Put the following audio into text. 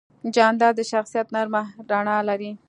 جانداد د شخصیت نرمه رڼا لري.